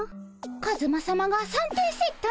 カズマさまが三点セットに！